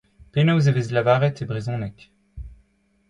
Penaos e vez lavaret e brezhoneg ?